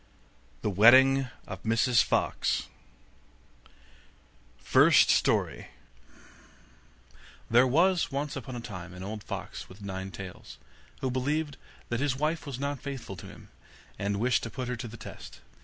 THE WEDDING OF MRS FOX FIRST STORY There was once upon a time an old fox with nine tails, who believed that his wife was not faithful to him, and wished to put her to the test.